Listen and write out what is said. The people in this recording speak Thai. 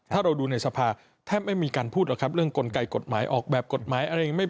ถ้าเราดูในสภาแทบไม่มีการพูดหรอกครับเรื่องกลไกกฎหมายออกแบบกฎหมายอะไรอย่างนี้